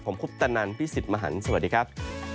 ผมคุปตะนันพี่สิทธิ์มหันฯสวัสดีครับ